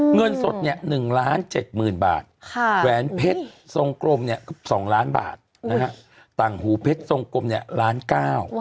เงินสดเนี่ย๑ล้านเจ็ดหมื่นบาทแหวนเพชรทรงกลมเนี่ยสองล้านบาทนะฮะต่างหูเพชรทรงกลมเนี่ยล้านเก้า